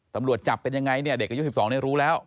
ตำรวจจับเป็นยังไงเนี่ยเด็กอายุ๑๒เนี่ยรู้แล้ว